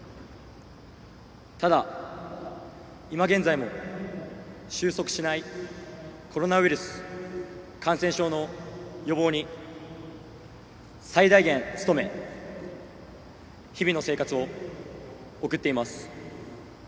ただ、今現在も収束しないコロナウイルス感染症の予防に最大限努め日々の生活を送っています。